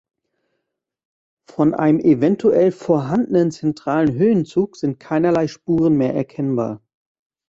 Von einem eventuell vorhandenen zentralen Höhenzug sind keinerlei Spuren mehr erkennbar.